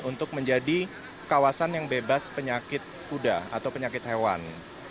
untuk menjadi kawasan yang bebas penyakit kuda atau penyakit hewan